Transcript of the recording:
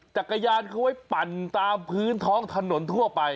จักรยานเขาไว้ปั่นตามพื้นท้องถนนทั่วไป